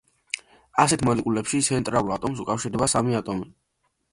ასეთ მოლეკულებში ცენტრალურ ატომს უკავშირდება სამი ატომი.